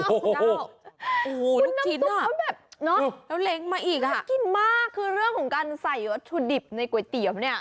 โอ้โหลูกชิ้นอ่ะแล้วเล้งมาอีกอ่ะคือเรื่องของการใส่อัตรุดิบในก๋วยเตี๋ยวเนี่ย